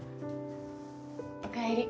お帰り。